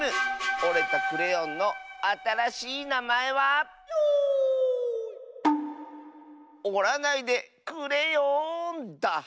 おれたクレヨンのあたらしいなまえは「おらないでくれよん」だ！